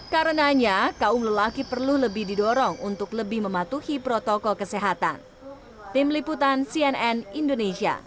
karenanya kaum lelaki perlu lebih didorong untuk lebih mematuhi protokol kesehatan